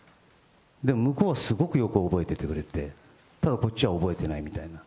でも向こうはすごくよく覚えててくれて、ただこっちは覚えてないみたいな。